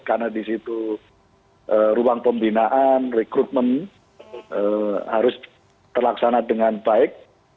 karena di situ ruang pembinaan rekrutmen harus terlaksana dengan baik